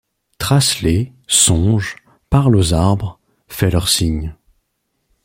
Trace-les ; songe ; parle aux arbres ; fais-leur signe ;